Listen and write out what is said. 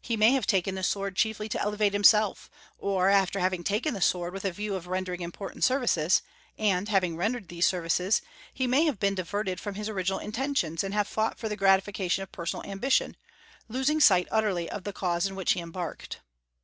He may have taken the sword chiefly to elevate himself; or, after having taken the sword with a view of rendering important services, and having rendered these services, he may have been diverted from his original intentions, and have fought for the gratification of personal ambition, losing sight utterly of the cause in which he embarked.